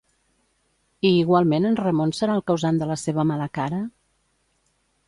I igualment en Ramon serà el causant de la seva mala cara?